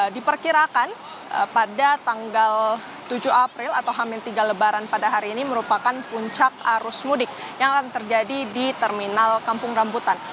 diperkirakan pada tanggal tujuh april atau hamin tiga lebaran pada hari ini merupakan puncak arus mudik yang akan terjadi di terminal kampung rambutan